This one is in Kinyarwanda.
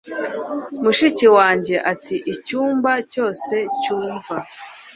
Mushiki wanjye ati icyumba cyose cyumva